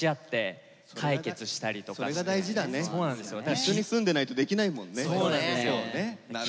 一緒に住んでないとできないもんね。